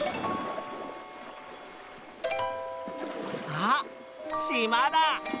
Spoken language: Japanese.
あっしまだ。